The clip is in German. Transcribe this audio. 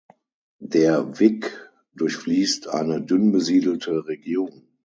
Der Wick durchfließt eine dünnbesiedelte Region.